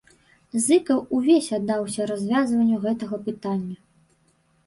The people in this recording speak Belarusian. Зыкаў увесь аддаўся развязванню гэтага пытання.